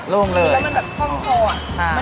มันแต่ค่อยค่อยค่อยมาดี